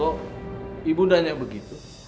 kok ibu nanya begitu